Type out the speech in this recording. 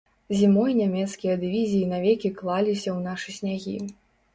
Зімой нямецкія дывізіі навекі клаліся ў нашы снягі.